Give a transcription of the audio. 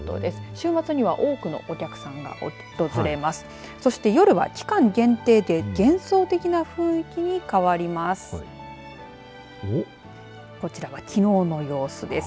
週末には多くのお客さんが訪れます。